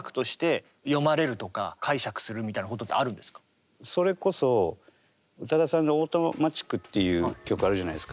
結構それこそ宇多田さんが「Ａｕｔｏｍａｔｉｃ」っていう曲あるじゃないですか。